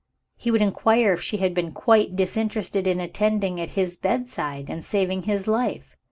He would inquire if she had been quite disinterested in attending at his bedside, and saving his life.